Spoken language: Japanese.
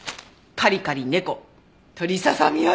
カリカリ猫鶏ささみ味！